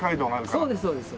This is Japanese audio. そうですそうです。